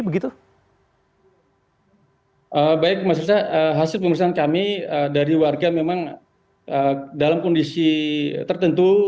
baik mas riza hasil pemeriksaan kami dari warga memang dalam kondisi tertentu